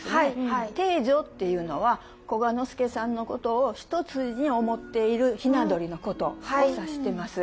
「貞女」っていうのは久我之助さんのことを一筋に思っている雛鳥のことを指してます。